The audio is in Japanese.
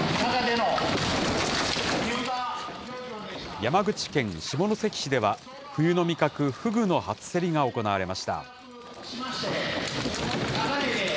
山口県下関市では、冬の味覚、フグの初競りが行われました。